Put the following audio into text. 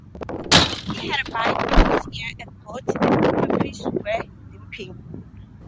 He had a bite on his ear, and both the puppies were limping.